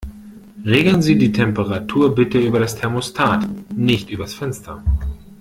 Regeln Sie die Temperatur bitte über das Thermostat, nicht übers Fenster.